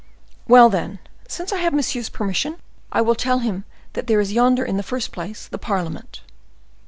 "Well, then, since I have monsieur's permission, I will tell him that there is yonder, in the first place, the parliament."